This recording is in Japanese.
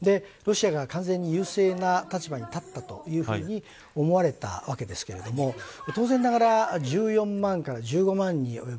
ロシアが完全に優勢な立場に立ったというふうに思われたわけですけども当然ながら、１４万から１５万人